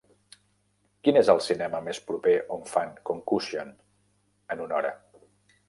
Quin és el cinema més proper on fan Concussion en una hora?